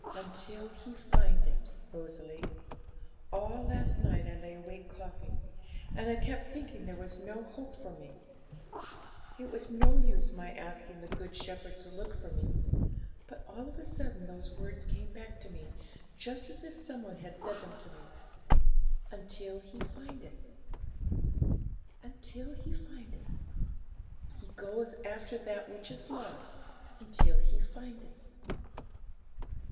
'"Until He find it," Rosalie. All last night I lay awake coughing, and I kept thinking there was no hope for me; it was no use my asking the Good Shepherd to look for me. But all of a sudden those words came back to me just as if some one had said them to me. "Until He find it until He find it. He goeth after that which is lost until He find it."